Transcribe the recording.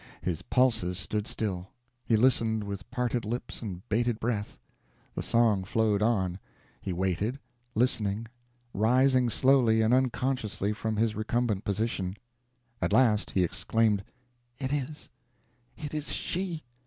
His pulses stood still; he listened with parted lips and bated breath. The song flowed on he waiting, listening, rising slowly and unconsciously from his recumbent position. At last he exclaimed: "It is! it is she!